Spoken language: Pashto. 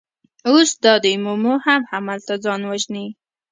اوس دا دی مومو هم هملته ځان وژني.